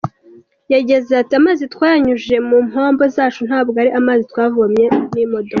Yagize ati “Amazi twayanyujije mu mpombo zacu ntabwo ari amazi twavomye n’imodoka.